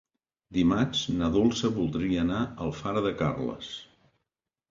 Dimarts na Dolça voldria anar a Alfara de Carles.